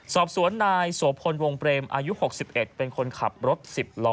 สอบสวนนายโสพลวงเปรมอายุ๖๑เป็นคนขับรถ๑๐ล้อ